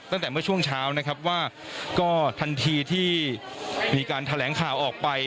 ตั้งแต่เมื่อช่วงเช้านะครับว่าก็ทันทีที่มีการแถลงข่าวออกไป